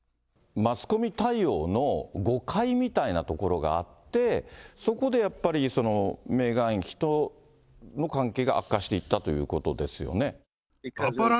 マスコミ対応の誤解みたいなところがあって、そこでやっぱり、メーガン妃との関係が悪化していったということですよね？